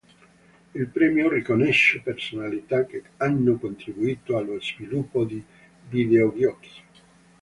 Il premio riconosce personalità che hanno contribuito allo sviluppo di videogiochi.